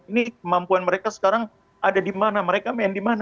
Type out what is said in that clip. ini kemampuan mereka sekarang ada di mana mereka main di mana